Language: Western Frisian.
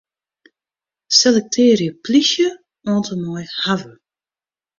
Selektearje 'plysje' oant en mei 'hawwe'.